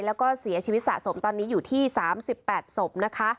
แล้วก็เสียชีวิตสะสมตอนนี้อยู่ที่๓๘ศพนะคะ